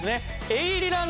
エイリラン